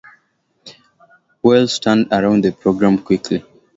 Welsh turned around the program quickly.